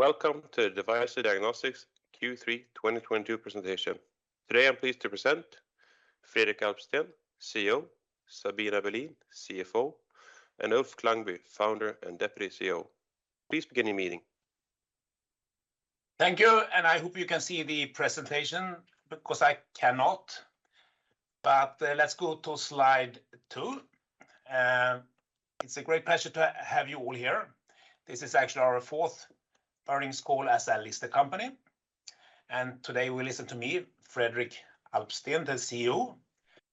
Welcome to the Devyser Diagnostics Q3 2022 presentation. Today, I'm pleased to present Fredrik Alpsten, CEO, Sabina Berlin, CFO, and Ulf Klangby, founder and deputy CEO. Please begin your meeting. Thank you, and I hope you can see the presentation because I cannot. Let's go to slide two. It's a great pleasure to have you all here. This is actually our fourth earnings call as a listed company, and today you will listen to me, Fredrik Alpsten, the CEO,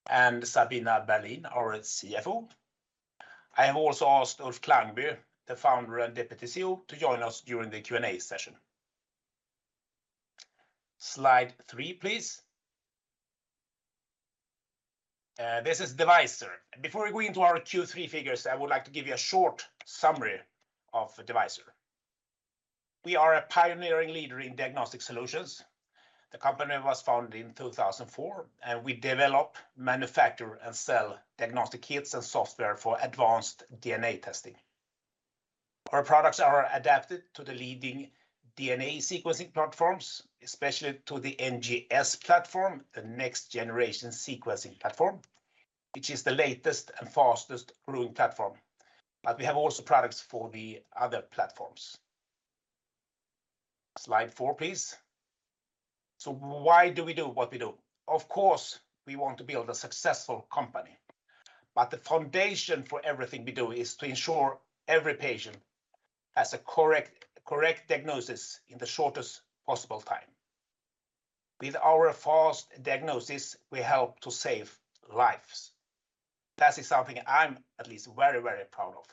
and Sabina Berlin, our CFO. I have also asked Ulf Klangby, the founder and deputy CEO, to join us during the Q&A session. Slide three, please. This is Devyser. Before we go into our Q3 figures, I would like to give you a short summary of Devyser. We are a pioneering leader in diagnostic solutions. The company was founded in 2004, and we develop, manufacture, and sell diagnostic kits and software for advanced DNA testing. Our products are adapted to the leading DNA sequencing platforms, especially to the NGS platform, the next-generation sequencing platform, which is the latest and fastest-growing platform. We have also products for the other platforms. Slide four, please. Why do we do what we do? Of course, we want to build a successful company, but the foundation for everything we do is to ensure every patient has a correct diagnosis in the shortest possible time. With our fast diagnosis, we help to save lives. That is something I'm at least very, very proud of.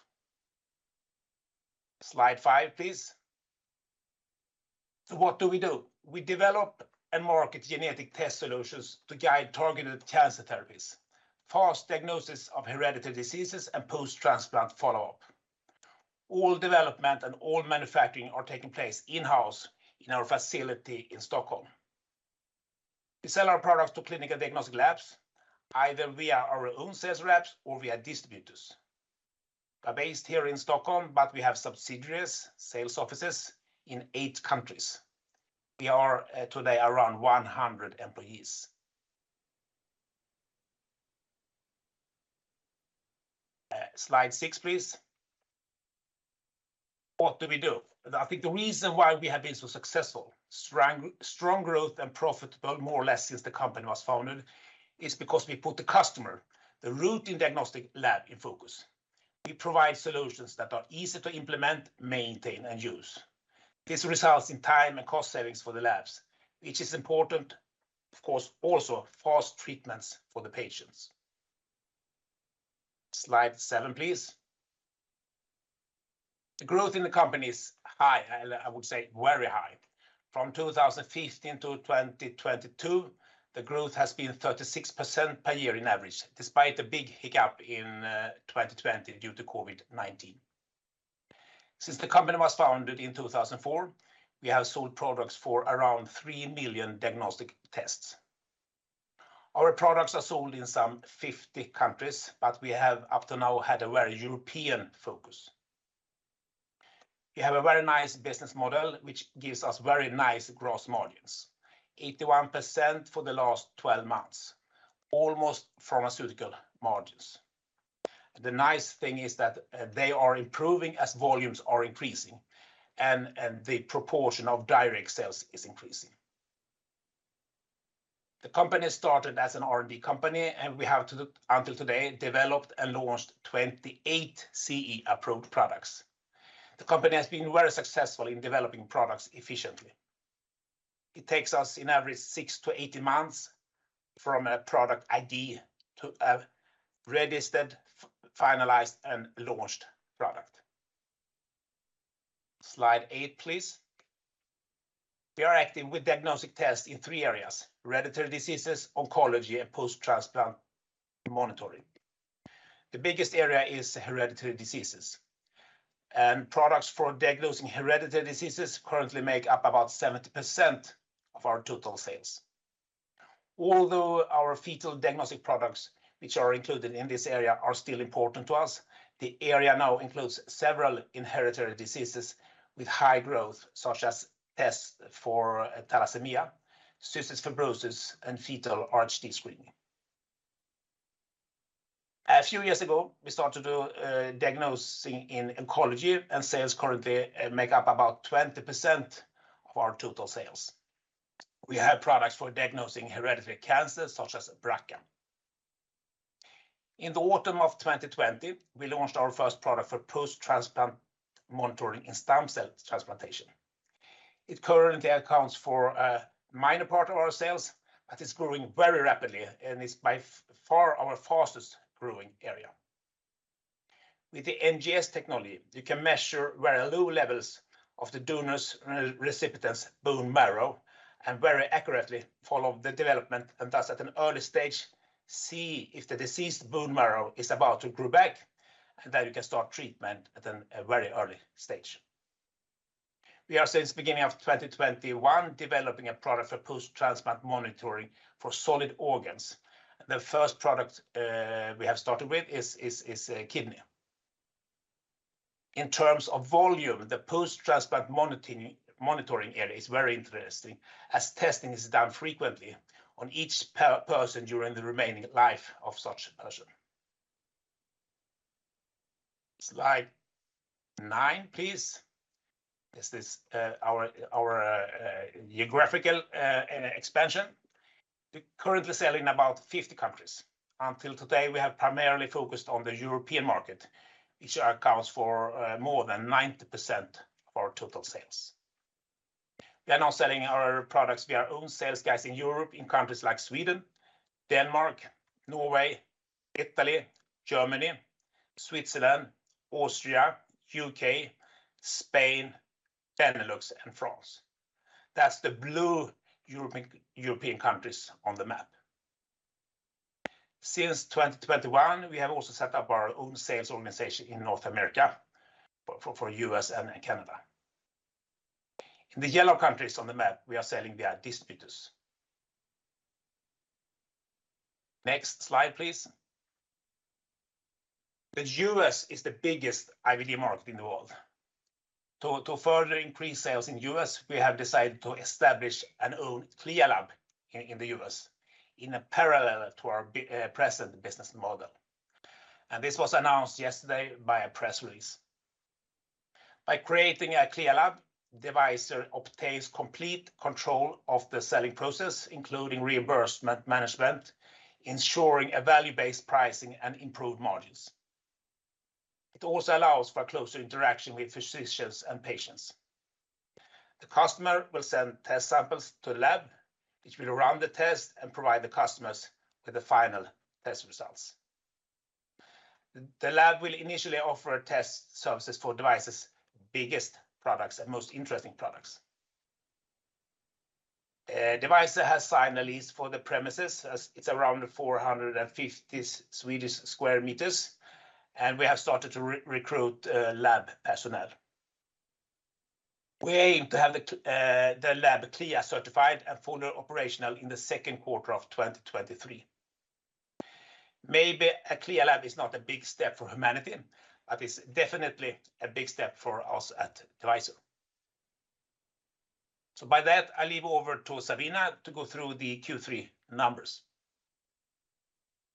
Slide five, please. What do we do? We develop and market genetic test solutions to guide targeted cancer therapies, fast diagnosis of hereditary diseases, and post-transplant follow-up. All development and all manufacturing are taking place in-house in our facility in Stockholm. We sell our products to clinical diagnostic labs, either via our own sales reps or via distributors. We're based here in Stockholm, but we have subsidiaries, sales offices in eight countries. We are today around 100 employees. Slide six, please. What do we do? I think the reason why we have been so successful, strong growth and profitable more or less since the company was founded, is because we put the customer, the routine diagnostic lab in focus. We provide solutions that are easy to implement, maintain, and use. This results in time and cost savings for the labs, which is important, of course, also fast treatments for the patients. Slide seven, please. The growth in the company is high, I would say very high. From 2015 to 2022, the growth has been 36% per year in average, despite a big hiccup in 2020 due to COVID-19. Since the company was founded in 2004, we have sold products for around 3 million diagnostic tests. Our products are sold in some 50 countries, but we have up to now had a very European focus. We have a very nice business model, which gives us very nice gross margins, 81% for the last 12 months, almost pharmaceutical margins. The nice thing is that they are improving as volumes are increasing and the proportion of direct sales is increasing. The company started as an R&D company, and we have until today developed and launched 28 CE-approved products. The company has been very successful in developing products efficiently. It takes us on average six-eight months from a product idea to a registered, finalized, and launched product. Slide eight, please. We are active in diagnostic tests in three areas, hereditary diseases, oncology, and post-transplant monitoring. The biggest area is hereditary diseases, and products for diagnosing hereditary diseases currently make up about 70% of our total sales. Although our fetal diagnostic products, which are included in this area, are still important to us, the area now includes several inherited diseases with high growth, such as tests for thalassemia, cystic fibrosis, and fetal RHD screening. A few years ago, we started diagnosing in oncology, and sales currently make up about 20% of our total sales. We have products for diagnosing hereditary cancer, such as BRCA. In the autumn of 2020, we launched our first product for post-transplant monitoring in stem cell transplantation. It currently accounts for a minor part of our sales, but it's growing very rapidly, and it's by far our fastest-growing area. With the NGS technology, you can measure very low levels of the donor's and recipient's bone marrow and very accurately follow the development, and thus, at an early stage, see if the deceased's bone marrow is about to grow back, and then you can start treatment at a very early stage. We are, since beginning of 2021, developing a product for post-transplant monitoring for solid organs. The first product we have started with is kidney. In terms of volume, the post-transplant monitoring area is very interesting as testing is done frequently on each person during the remaining life of such a person. Slide nine, please. This is our geographical expansion. We currently sell in about 50 countries. Until today, we have primarily focused on the European market, which accounts for more than 90% of our total sales. We are now selling our products via our own sales guys in Europe in countries like Sweden, Denmark, Norway, Italy, Germany, Switzerland, Austria, U.K., Spain, Benelux, and France. That's the blue European countries on the map. Since 2021, we have also set up our own sales organization in North America for U.S. and Canada. In the yellow countries on the map, we are selling via distributors. Next slide, please. The U.S. is the biggest IVD market in the world. To further increase sales in U.S., we have decided to establish an own CLIA lab in the U.S. in a parallel to our present business model. This was announced yesterday by a press release. By creating a CLIA lab, Devyser obtains complete control of the selling process, including reimbursement management, ensuring a value-based pricing and improved margins. It also allows for closer interaction with physicians and patients. The customer will send test samples to the lab, which will run the test and provide the customers with the final test results. The lab will initially offer test services for Devyser's biggest products and most interesting products. Devyser has signed a lease for the premises as it's around 450 square meters, and we have started to recruit lab personnel. We aim to have the lab CLIA certified and fully operational in the second quarter of 2023. Maybe a CLIA lab is not a big step for humanity, but it's definitely a big step for us at Devyser. With that, I hand over to Sabina to go through the Q3 numbers.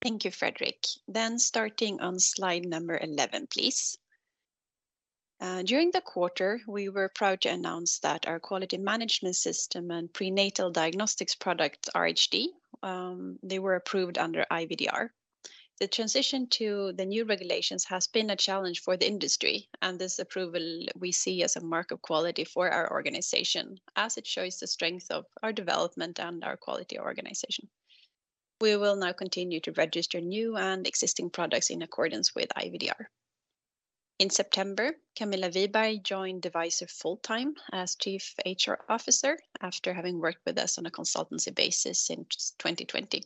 Thank you, Fredrik. Then starting on slide number 11, please. During the quarter, we were proud to announce that our quality management system and prenatal diagnostics product RHD, they were approved under IVDR. The transition to the new regulations has been a challenge for the industry, and this approval we see as a mark of quality for our organization, as it shows the strength of our development and our quality organization. We will now continue to register new and existing products in accordance with IVDR. In September, Camilla Wiberg joined Devyser full-time as Chief HR Officer after having worked with us on a consultancy basis since 2020.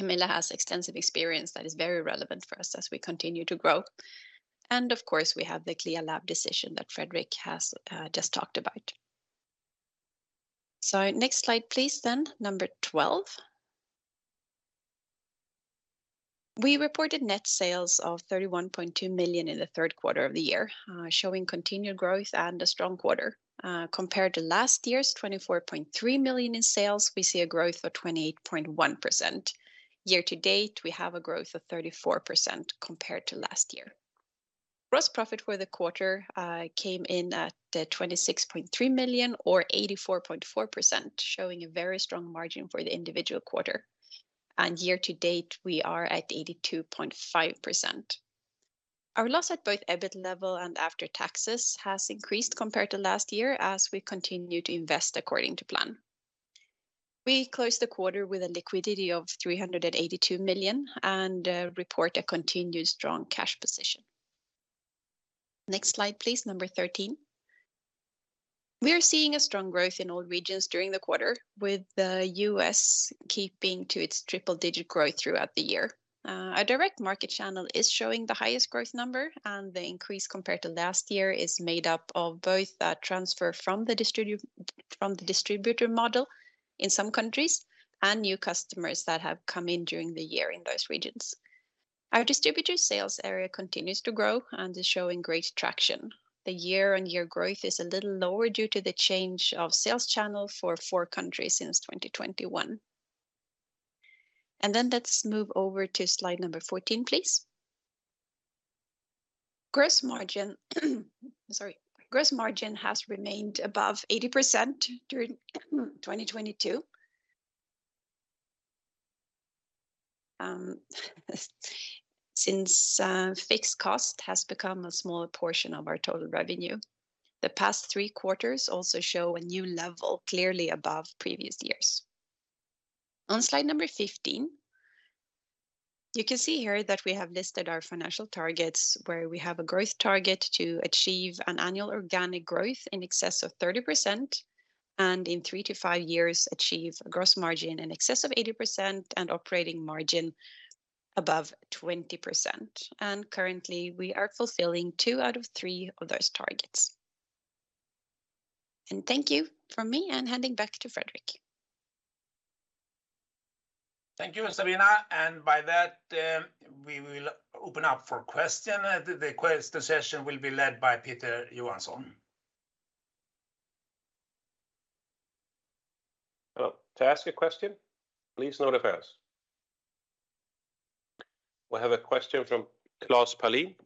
Camilla has extensive experience that is very relevant for us as we continue to grow. Of course, we have the CLIA lab decision that Fredrik has just talked about. Next slide, please, then, number 12. We reported net sales of 31.2 million in the third quarter of the year, showing continued growth and a strong quarter. Compared to last year's 24.3 million in sales, we see a growth of 28.1%. Year to date, we have a growth of 34% compared to last year. Gross profit for the quarter came in at 26.3 million or 84.4%, showing a very strong margin for the individual quarter. Year to date, we are at 82.5%. Our loss at both EBIT level and after taxes has increased compared to last year as we continue to invest according to plan. We closed the quarter with a liquidity of 382 million and report a continued strong cash position. Next slide, please, number 13. We are seeing a strong growth in all regions during the quarter with the U.S. keeping to its triple-digit growth throughout the year. Our direct market channel is showing the highest growth number, and the increase compared to last year is made up of both the transfer from the distributor model in some countries and new customers that have come in during the year in those regions. Our distributor sales area continues to grow and is showing great traction. The year-on-year growth is a little lower due to the change of sales channel for four countries since 2021. Let's move over to slide number 14, please. Gross margin has remained above 80% during 2022. Since fixed cost has become a smaller portion of our total revenue, the past three quarters also show a new level clearly above previous years. On slide number 15, you can see here that we have listed our financial targets where we have a growth target to achieve an annual organic growth in excess of 30% and in three to five years achieve a gross margin in excess of 80% and operating margin above 20%. Currently, we are fulfilling two out of three of those targets. Thank you from me. I'm handing back to Fredrik. Thank you, Sabina. By that, we will open up for question. The session will be led by Peter Johansson. Hello. To ask a question, please notify us. We have a question from Klas Palin.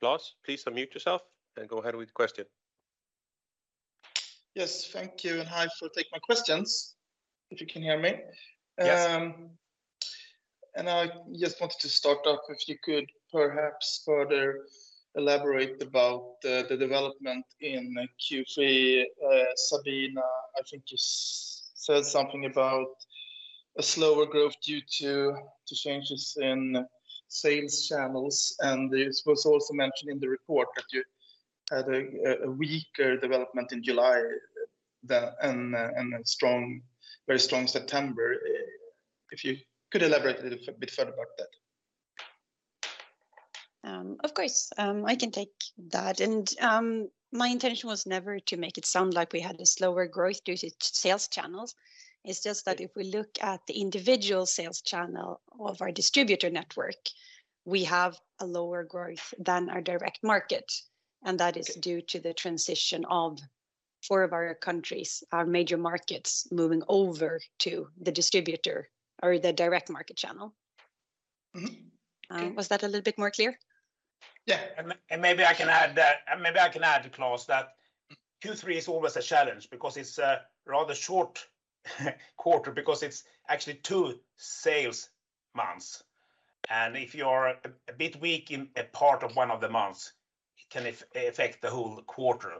Klas, please unmute yourself and go ahead with the question. Yes, thank you, and hi, to ask my questions, if you can hear me. Yes. I just wanted to start off, if you could perhaps further elaborate about the development in Q3. Sabina, I think you said something about a slower growth due to changes in sales channels, and it was also mentioned in the report that you had a weaker development in July and a very strong September. If you could elaborate a little bit further about that. Of course. I can take that. My intention was never to make it sound like we had a slower growth due to sales channels. It's just that if we look at the individual sales channel of our distributor network, we have a lower growth than our direct market, and that is due to the transition of four of our countries, our major markets moving over to the distributor or the direct market channel. Mm-hmm. Okay. Was that a little bit more clear? Yeah. Maybe I can add, Klas, that Q3 is always a challenge because it's a rather short quarter because it's actually two sales months, and if you're a bit weak in a part of one of the months, it can affect the whole quarter.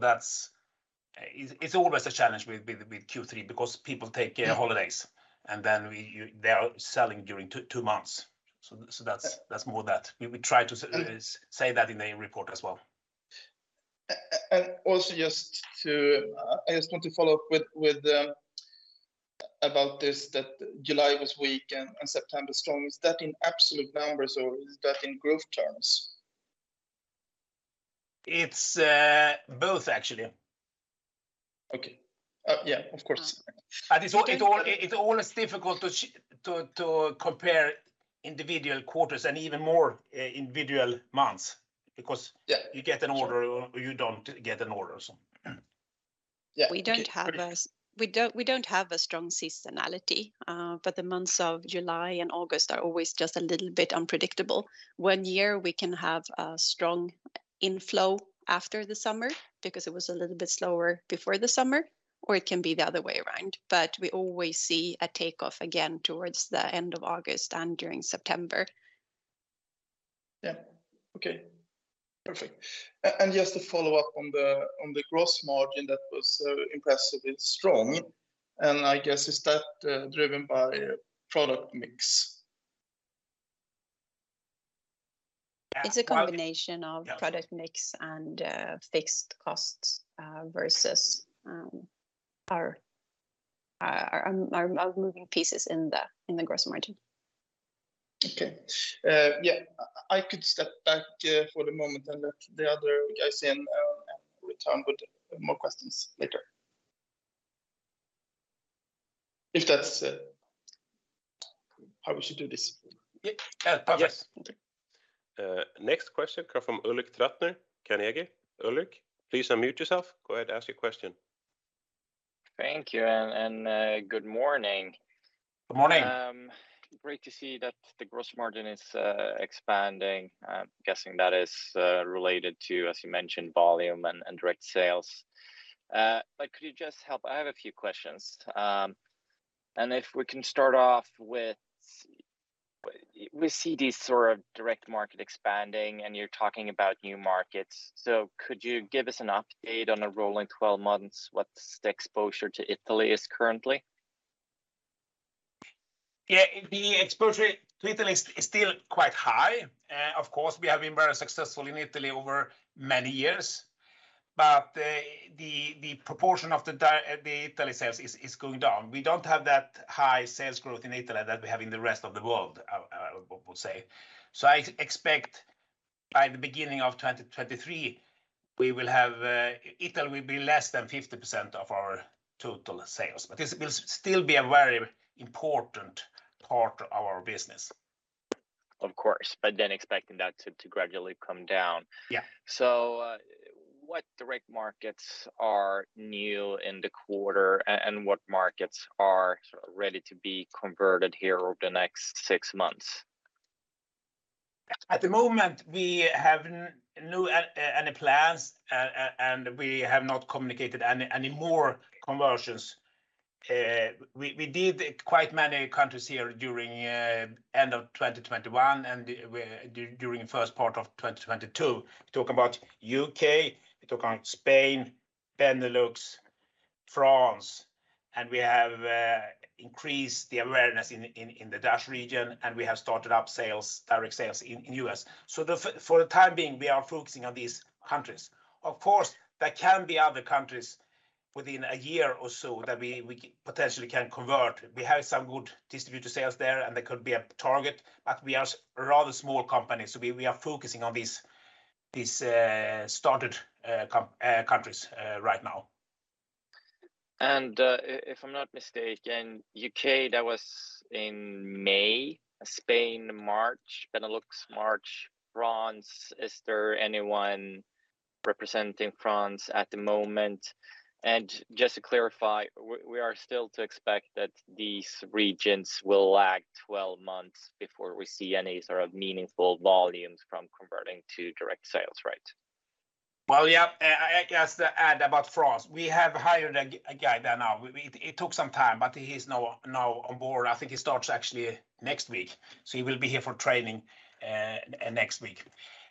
That's. It's always a challenge with Q3 because people take holidays, and then they are selling during two months. That's more that. We try to Mm-hmm Say that in the report as well. Also, I just want to follow up with about this, that July was weak and September strong. Is that in absolute numbers or is that in growth terms? It's both actually. Okay. Yeah, of course. Um- It's always difficult to compare individual quarters and even more individual months because. Yeah. Sure. you get an order or you don't get an order, so. Yeah. Okay. We don't have a strong seasonality, but the months of July and August are always just a little bit unpredictable. One year we can have a strong inflow after the summer because it was a little bit slower before the summer, or it can be the other way around, but we always see a takeoff again towards the end of August and during September. Yeah. Okay. Perfect. Just to follow up on the gross margin that was impressively strong, and I guess, is that driven by product mix? It's a combination of product mix and fixed costs versus our moving pieces in the gross margin. Okay. Yeah. I could step back for the moment and let the other guys in and return with more questions later. If that's how we should do this? Yeah. Perfect. Yes. Next question come from Ulrik Trattner, Carnegie. Ulrik, please unmute yourself. Go ahead, ask your question. Thank you, and good morning. Good morning. Great to see that the gross margin is expanding. I'm guessing that is related to, as you mentioned, volume and direct sales. But could you just help? I have a few questions. If we can start off with, we see this sort of direct market expanding, and you're talking about new markets. Could you give us an update on a rolling 12 months, what's the exposure to Italy is currently? Yeah. The exposure to Italy is still quite high. Of course, we have been very successful in Italy over many years. The proportion of the Italy sales is going down. We don't have that high sales growth in Italy that we have in the rest of the world, I would say. I expect by the beginning of 2023, Italy will be less than 50% of our total sales, but this will still be a very important part of our business. Of course. Expecting that to gradually come down. Yeah. What direct markets are new in the quarter and what markets are sort of ready to be converted here over the next six months? At the moment, we have no plans, and we have not communicated any more conversions. We did quite many countries here during end of 2021 and during first part of 2022. We talk about U.K., Spain, Benelux, France, and we have increased the awareness in the DACH region, and we have started up sales, direct sales in U.S. For the time being, we are focusing on these countries. Of course, there can be other countries within a year or so that we potentially can convert. We have some good distributor sales there, and they could be a target, but we are a rather small company, so we are focusing on these started countries right now. If I'm not mistaken, U.K., that was in May. Spain, March. It looks March, France. Is there anyone representing France at the moment? Just to clarify, we are still to expect that these regions will lag 12 months before we see any sort of meaningful volumes from converting to direct sales, right? Yeah, and I guess to add about France, we have hired a guy there now. It took some time, but he's now on board. I think he starts actually next week, so he will be here for training next week.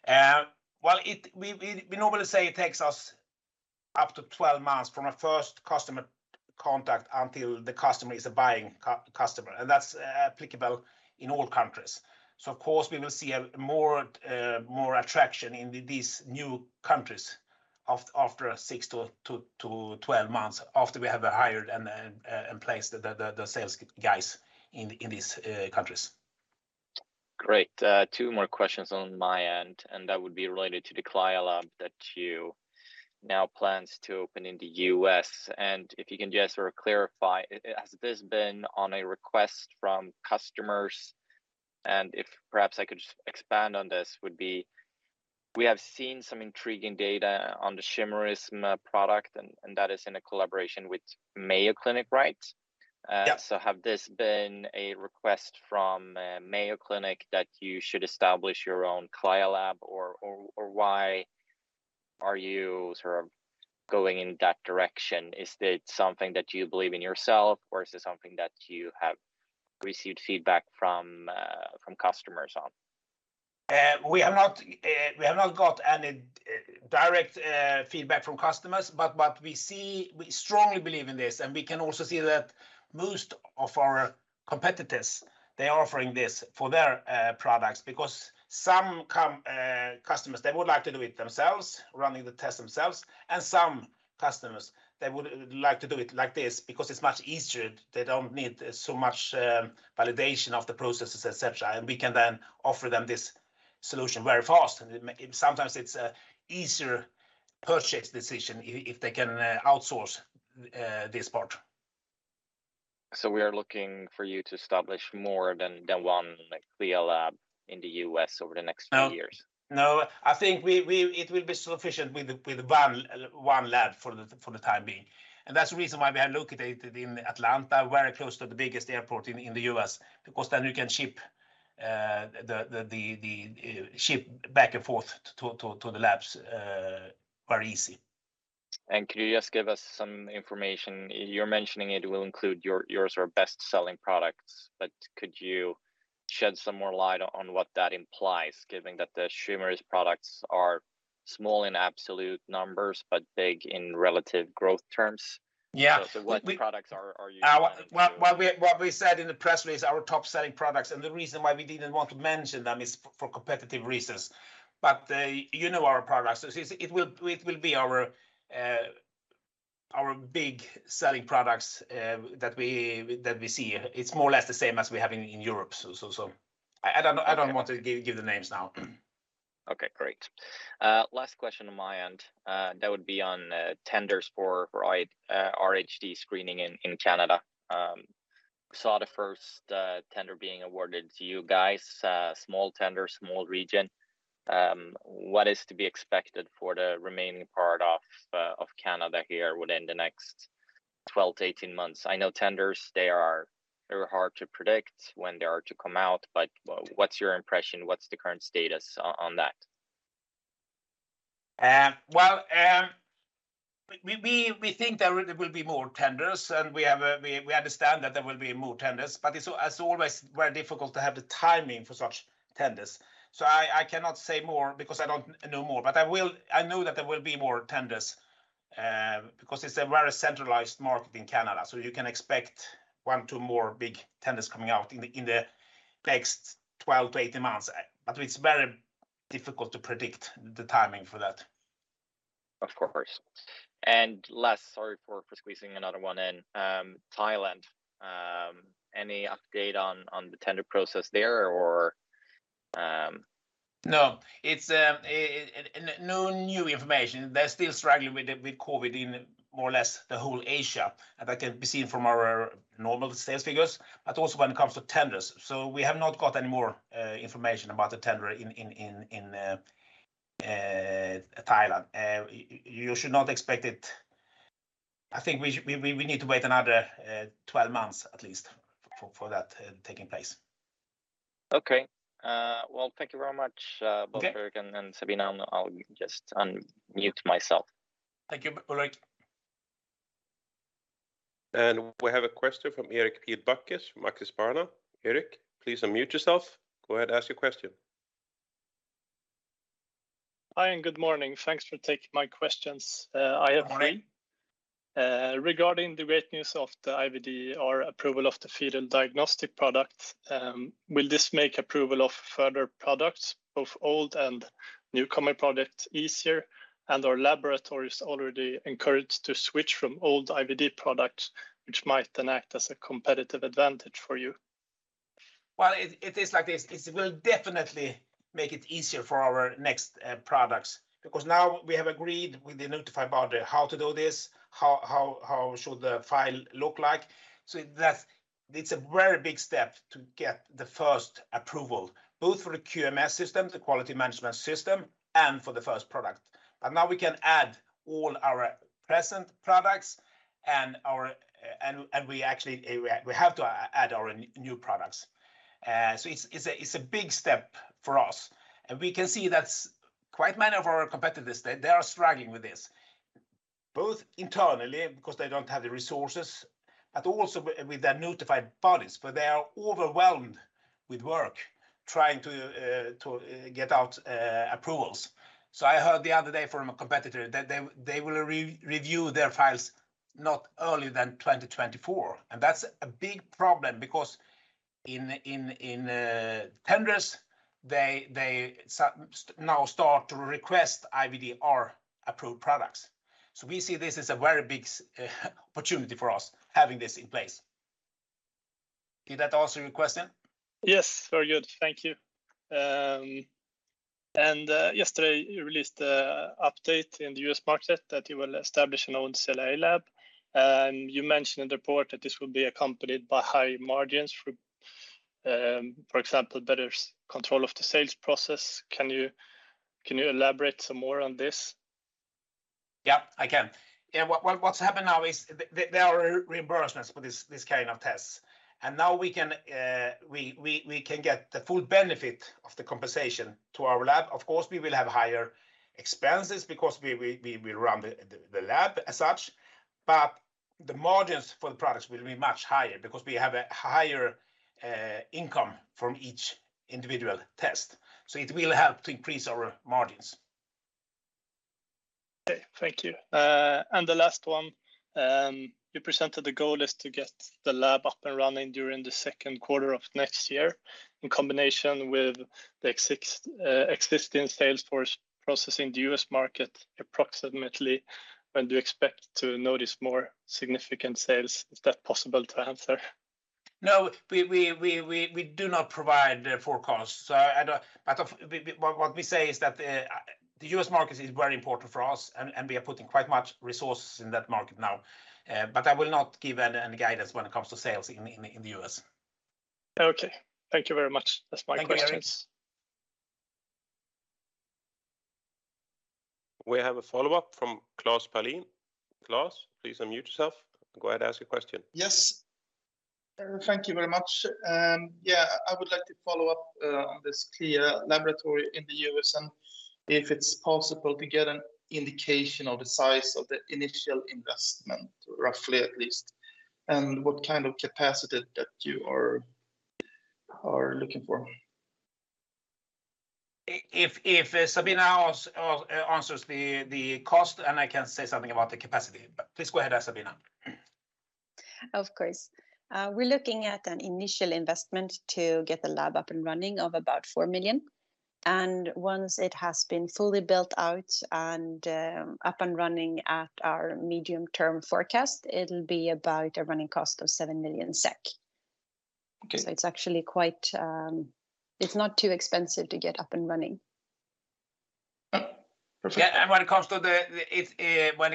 We normally say it takes us up to 12 months from a first customer contact until the customer is a buying customer, and that's applicable in all countries. Of course, we will see a more attraction in these new countries after six-12 months after we have hired and placed the sales guys in these countries. Great. Two more questions on my end, and that would be related to the CLIA lab that you now plans to open in the U.S. If you can just sort of clarify, has this been on a request from customers? If perhaps I could just expand on this would be, we have seen some intriguing data on the Chimerism product and that is in a collaboration with Mayo Clinic, right? Yeah. Have this been a request from Mayo Clinic that you should establish your own CLIA lab, or why are you sort of going in that direction? Is it something that you believe in yourself, or is it something that you have received feedback from customers on? We have not got any direct feedback from customers, but what we see, we strongly believe in this, and we can also see that most of our competitors, they're offering this for their products because some customers, they would like to do it themselves, running the test themselves, and some customers, they would like to do it like this because it's much easier. They don't need so much validation of the processes, et cetera, and we can then offer them this solution very fast, and it sometimes it's a easier purchase decision if they can outsource this part. We are looking for you to establish more than one CLIA lab in the U.S. over the next few years? No. I think it will be sufficient with one lab for the time being, and that's the reason why we have located it in Atlanta, very close to the biggest airport in the U.S., because then you can ship the ship back and forth to the labs very easy. Could you just give us some information? You're mentioning it will include yours or best-selling products, but could you shed some more light on what that implies, given that the Chimerism products are small in absolute numbers but big in relative growth terms? Yeah. What products are you planning to? What we said in the press release are our top-selling products, and the reason why we didn't want to mention them is for competitive reasons. You know our products. It will be our big-selling products that we see. It's more or less the same as we have in Europe. I don't want to give the names now. Okay, great. Last question on my end, that would be on tenders for RHD screening in Canada. Saw the first tender being awarded to you guys, small tender, small region. What is to be expected for the remaining part of Canada here within the next 12-18 months? I know tenders, they're hard to predict when they are to come out, but what's your impression? What's the current status on that? We think there will be more tenders, and we understand that there will be more tenders. It's as always, very difficult to have the timing for such tenders. I cannot say more because I don't know more. I know that there will be more tenders, because it's a very centralized market in Canada, so you can expect one, two more big tenders coming out in the next 12-18 months. It's very difficult to predict the timing for that. Of course. Last, sorry for squeezing another one in. Thailand, any update on the tender process there or? No, it's no new information. They're still struggling with COVID in more or less the whole Asia, and that can be seen from our normal sales figures, but also when it comes to tenders. We have not got any more information about the tender in Thailand. You should not expect it. I think we need to wait another 12 months at least for that taking place. Okay. Well, thank you very much. Okay both Fredrik and Sabina. I'll just unmute myself. Thank you, Ulrik. We have a question from Erik Pilbackes from Aktiespararna. Erik, please unmute yourself. Go ahead, ask your question. Hi, good morning. Thanks for taking my questions. I have three. Morning. Regarding the great news of the IVDR approval of the Devyser diagnostic product, will this make approval of further products, both old and newcomer products, easier? Are laboratories already encouraged to switch from old IVD products, which might then act as a competitive advantage for you? Well, it is like this. It will definitely make it easier for our next products because now we have agreed with the notified body how to do this, how should the file look like. That's a very big step to get the first approval, both for the QMS system, the quality management system, and for the first product. Now we can add all our present products and our and we actually have to add our new products. So it's a big step for us. We can see that quite many of our competitors they are struggling with this, both internally because they don't have the resources, but also with their notified bodies, for they are overwhelmed with work trying to get out approvals. I heard the other day from a competitor that they will re-review their files not earlier than 2024, and that's a big problem because in tenders, they now start to request IVDR-approved products. We see this as a very big opportunity for us, having this in place. Did that answer your question? Yes, very good. Thank you. Yesterday you released an update in the U.S. market that you will establish your own CLIA lab. You mentioned in the report that this will be accompanied by high margins, for example, better control of the sales process. Can you elaborate some more on this? Yeah, I can. Yeah. What's happened now is there are reimbursements for this kind of tests. Now we can get the full benefit of the compensation to our lab. Of course, we will have higher expenses because we run the lab as such, but the margins for the products will be much higher because we have a higher income from each individual test. It will help to increase our margins. Okay. Thank you. The last one, you presented the goal is to get the lab up and running during the second quarter of next year. In combination with the existing sales force processing the U.S. market, approximately when do you expect to notice more significant sales? Is that possible to answer? No. We do not provide forecasts. What we say is that the US market is very important for us and we are putting quite much resources in that market now. I will not give any guidance when it comes to sales in the U.S. Okay. Thank you very much. That's my questions. Thank you, Erik. We have a follow-up from Klas Palin. Klas, please unmute yourself. Go ahead, ask your question. Yes. Thank you very much. Yeah, I would like to follow up on this CLIA laboratory in the U.S., and if it's possible to get an indication of the size of the initial investment, roughly at least, and what kind of capacity that you are looking for? If Sabina answers the cost, and I can say something about the capacity, but please go ahead, Sabina. Of course. We're looking at an initial investment to get the lab up and running of about 4 million. Once it has been fully built out and up and running at our medium-term forecast, it'll be about a running cost of 7 million SEK. Okay. It's actually quite. It's not too expensive to get up and running. Perfect. When it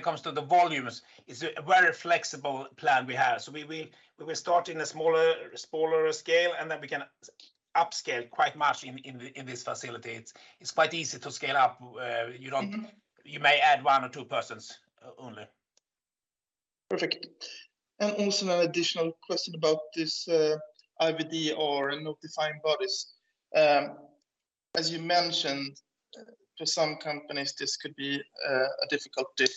comes to the volumes, it's a very flexible plan we have. We will start in a smaller scale, and then we can upscale quite much in this facility. It's quite easy to scale up. You don't Mm-hmm... you may add one or two persons, only. Perfect. Also an additional question about this, IVD or notifying bodies. As you mentioned, to some companies this could be a difficult dip.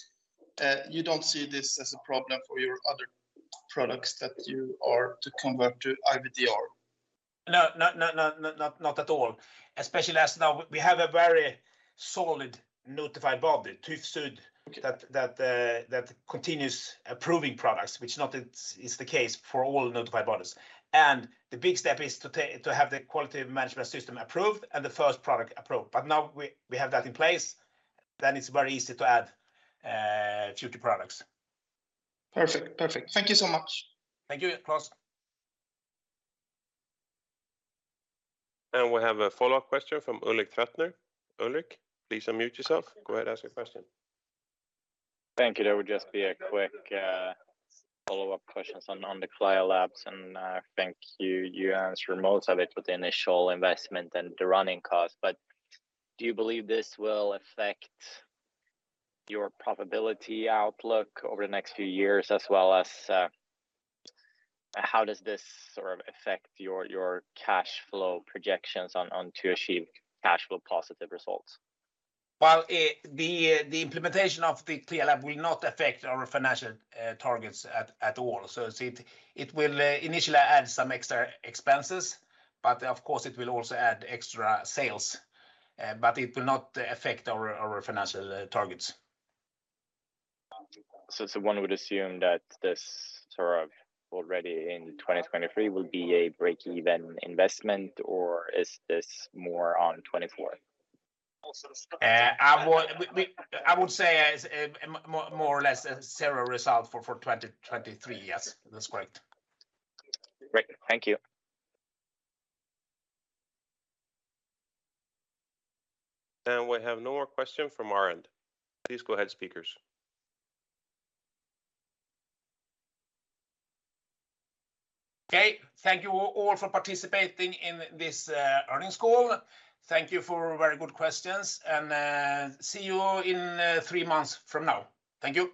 You don't see this as a problem for your other products that you are to convert to IVDR? No. Not at all, especially as now we have a very solid notified body. Okay TÜV SÜD that continues approving products, which is not. It's the case for all notified bodies. The big step is to have the quality management system approved and the first product approved. Now we have that in place, then it's very easy to add future products. Perfect. Thank you so much. Thank you, Klas. We have a follow-up question from Ulrik Trattner. Ulrik, please unmute yourself. Go ahead, ask your question. Thank you. That would just be a quick follow-up questions on the CLIA labs. Thank you. You answered most of it with the initial investment and the running cost. Do you believe this will affect your profitability outlook over the next few years, as well as how does this sort of affect your cash flow projections on to achieve cash flow positive results? Well, the implementation of the CLIA lab will not affect our financial targets at all. It will initially add some extra expenses, but of course, it will also add extra sales. It will not affect our financial targets. One would assume that this sort of already in 2023 will be a break-even investment, or is this more on 2024? I would say as a more or less a zero result for 2023, yes. That's correct. Great. Thank you. We have no more question from our end. Please go ahead, speakers. Okay. Thank you all for participating in this earnings call. Thank you for very good questions, and see you in three months from now. Thank you.